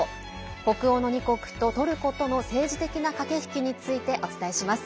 北欧の２国とトルコとの政治的な駆け引きについてお伝えします。